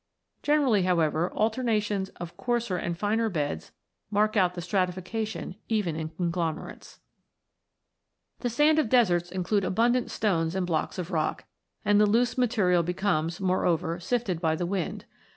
Generally, however, alterna tions of coarser and finer beds mark out the stratifica tion even in conglomerates. The sands of deserts include abundant stones and blocks of rock, and the loose material becomes, more over, sifted by the wind.